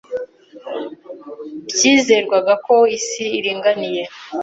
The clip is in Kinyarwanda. Byizerwaga ko isi iringaniye.